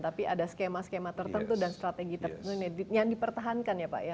tapi ada skema skema tertentu dan strategi yang dipertahankan ya pak ya